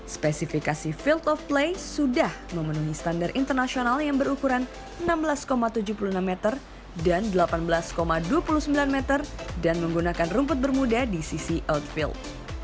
spesifikasi field of play sudah memenuhi standar internasional yang berukuran enam belas tujuh puluh enam meter dan delapan belas dua puluh sembilan meter dan menggunakan rumput bermuda di sisi outfield